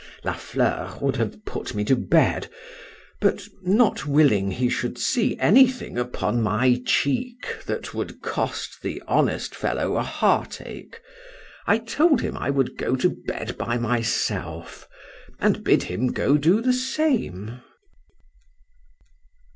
La Fleur would have put me to bed; but—not willing he should see anything upon my cheek which would cost the honest fellow a heart ache,—I told him I would go to bed by myself,—and bid him go do the same.